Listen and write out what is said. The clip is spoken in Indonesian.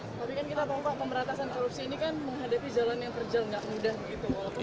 tapi kan kita tahu pak pemberantasan korupsi ini kan menghadapi jalan yang terjal nggak mudah begitu